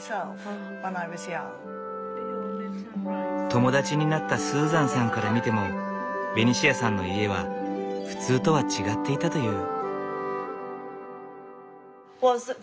友達になったスーザンさんから見てもベニシアさんの家は普通とは違っていたという。